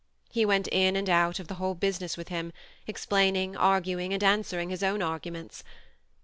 He went in and out of the whole business with him, explaining, arguing, and answering his own arguments.